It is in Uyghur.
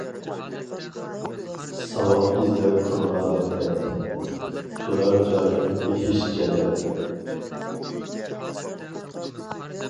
ساۋاپ ئىزدەپ قىلما مىننەت، تۇرار جايىڭ بېھىش جەننەت.